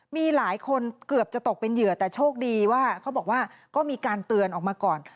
มีหลายคนเกือบจะตกเป็นเหยื่อแต่โชคดีว่าเขาบอกว่าก็มีการเตือนออกมาก่อน